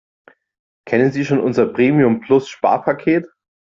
Kennen Sie schon unser Premium-Plus-Sparpaket?